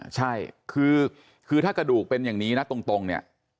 ใช่คือถ้ากระดูกเป็นอย่างนี้นะตรงเนี่ย